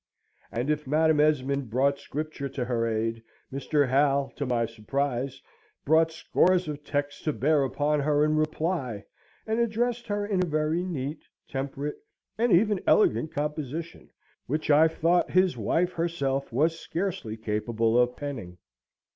And if Madam Esmond brought Scripture to her aid, Mr. Hal, to my surprise, brought scores of texts to bear upon her in reply, and addressed her in a very neat, temperate, and even elegant composition, which I thought his wife herself was scarcely capable of penning.